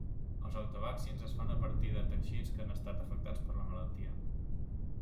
Els autovaccins es fan a partir de teixits que han estat afectats per la malaltia.